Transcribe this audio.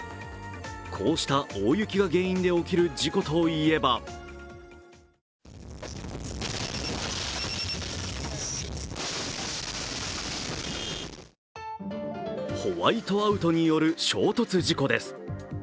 こうした大雪が原因で起きる事故といえばホワイトアウトによる衝突事故です。